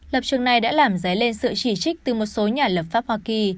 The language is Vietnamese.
lập trường này đã làm dấy lên sự chỉ trích từ một số nhà lập pháp hoa kỳ